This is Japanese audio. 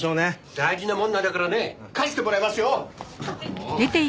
大事なものなんだからね返してもらいますよ！